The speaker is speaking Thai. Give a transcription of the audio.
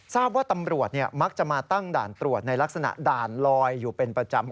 ทราบว่าตำรวจมักจะมาตั้งด่านตรวจในลักษณะด่านลอยอยู่เป็นประจำ